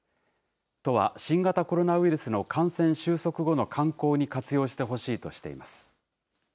都は新型コロナウイルスの感染収束後の観光に活用してほしいとしています。